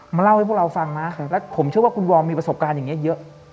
เล่าให้พวกเราฟังนะแล้วผมเชื่อว่าคุณวอร์มมีประสบการณ์อย่างนี้เยอะ